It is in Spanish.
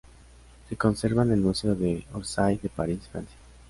Se conserva en el Museo de Orsay de París, Francia.